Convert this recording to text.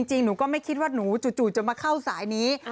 หนูก็ไม่คิดว่าหนูจู่จะมาเข้าสายนี้